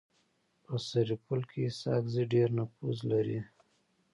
په سرپل کي اسحق زي د ډير نفوذ لري.